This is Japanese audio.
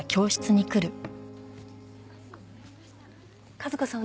和子さん